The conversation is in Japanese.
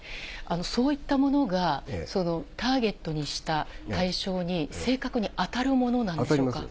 そういったものが、ターゲットにした対象に正確に当たるものなんでしょうか。